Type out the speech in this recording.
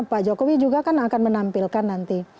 pak jokowi juga kan akan menampilkan nanti